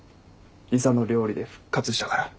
理沙の料理で復活したから。